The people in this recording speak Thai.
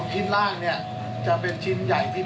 ๒ชิ้นล่างเนี่ย